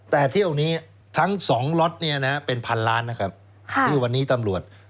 แต่ที่อยู่นี้ทั้งสองล็อตเป็น๑๐๐๐ล้านที่วันนี้ตำรวจ